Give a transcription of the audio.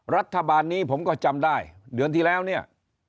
รัฐบาลนี้ผมก็จำได้เดือนที่แล้วเนี่ย